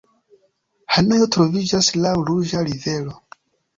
Hanojo troviĝas laŭ Ruĝa rivero.